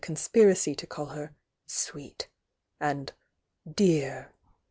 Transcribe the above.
8P'fa«y to call her "sweet," and "dear"